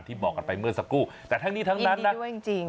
บอกกันไปเมื่อสักครู่แต่ทั้งนี้ทั้งนั้นนะด้วยจริง